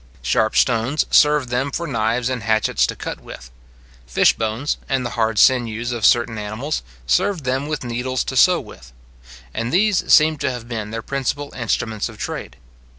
Sharp stones served them for knives and hatchets to cut with; fish bones, and the hard sinews of certain animals, served them with needles to sew with; and these seem to have been their principal instruments of trade.